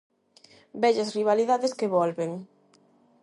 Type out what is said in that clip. Vellas rivalidades que volven.